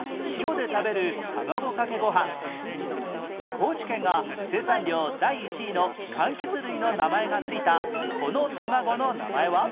高知県が生産量第１位の柑橘類の名前が付いたこの卵の名前は？